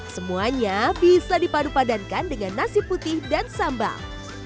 semuanya bisa dipadu padankan dengan nasi putih dan sambal